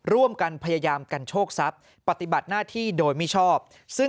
ร่วมกันพยายามกันโชคทรัพย์ปฏิบัติหน้าที่โดยมิชอบซึ่ง